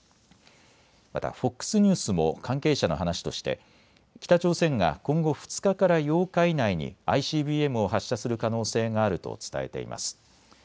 またＦＯＸニュースも関係者の話として北朝鮮が今後２日から８日以内にＩＣＢＭを発射する可能性があると伝えています。